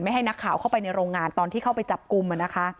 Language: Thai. ให้นักข่าวเข้าไปในโรงงานตอนที่เข้าไปจับกลุ่มนะคะ